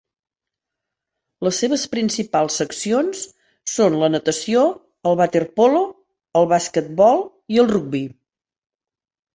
Les seves principals seccions són la natació, el waterpolo, el basquetbol i el rugbi.